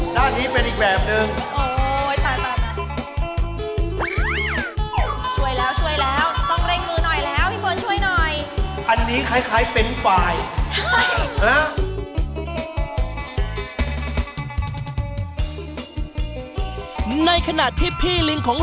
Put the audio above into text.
ทางด้านนี้เขาเป็นทิ้ง